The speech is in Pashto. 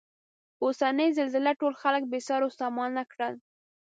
اوسنۍ زلزلې ټول خلک بې سرو سامانه کړل.